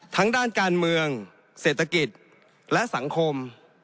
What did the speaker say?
ทั้งด้านการเมืองเศรษฐกิจและสังคม